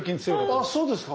あそうですか⁉